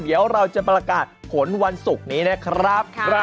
เดี๋ยวเราจะประกาศผลวันศุกร์นี้นะครับ